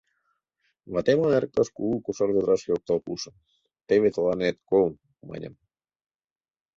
Ватемлан эрыкташ кугу кошар ведрашке оптал пуышым, теве тыланет кол, маньым.